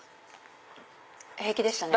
平気でしたね。